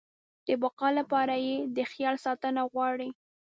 د بقا لپاره يې د خیال ساتنه غواړي.